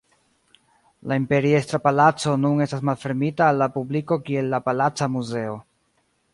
La Imperiestra Palaco nun estas malfermita al la publiko kiel la Palaca Muzeo.